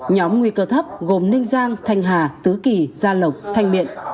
nhóm nguy cơ thấp gồm ninh giang thanh hà tứ kỳ gia lộc thanh miện